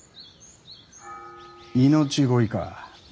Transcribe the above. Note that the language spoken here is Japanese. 命乞いか。